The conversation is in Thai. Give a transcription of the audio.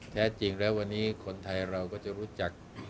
แท้จริงแล้ววันนี้คนไทยเราก็จะรู้จัก